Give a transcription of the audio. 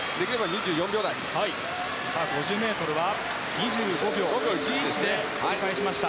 ５０ｍは２５秒１１で折り返しました。